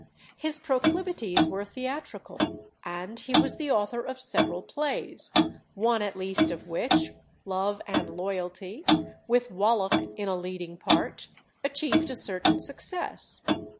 His proclivities were theatrical, and he was the author of several plays, one at least of which, 'Love and Loyalty,' with Wallack in a leading part, achieved a certain success.